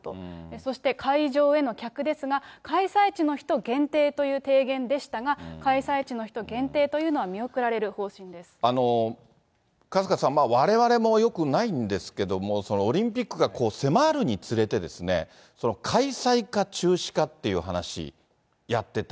そして会場への客ですが、開催地の人限定という提言でしたが、開催地の人限定というのは見春日さん、われわれもよくないんですけれども、オリンピックが迫るにつれて、開催か中止かっていう話、やってた。